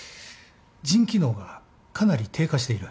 腎機能がかなり低下している。